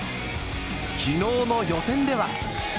昨日の予選では。